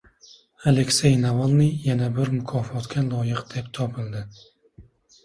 Aleksey Navalniy yana bir mukofotga loyiq deb topildi